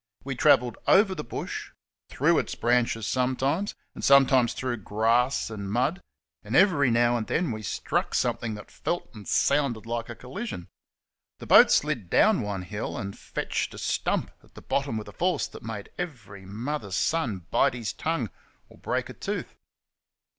We travelled over the bush, through its branches sometimes, and sometimes through grass and mud, and every now and then we struck something that felt and sounded like a collision. The boat slid down one hill, and "fetched" a stump at the bottom with a force that made every mother's son bite his tongue or break a tooth.